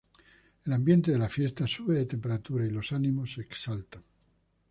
El ambiente de la fiesta sube de temperatura y los ánimos se exaltan.